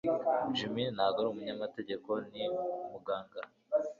Jim ntabwo ari umunyamategeko Ni umuganga